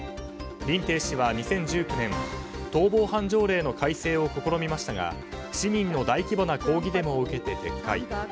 リンテイ氏は２０１９年逃亡犯条例の改正を試みましたが、市民の大規模な抗議デモを受けて撤回。